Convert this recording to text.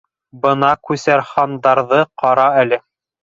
— Бына, күсәрхандарҙы ҡара әле.